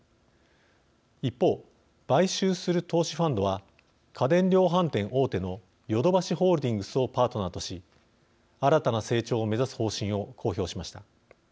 一方、買収する投資ファンドは家電量販店大手のヨドバシホールディングスをパートナーとし新たな成長を目指す方針を公表しました。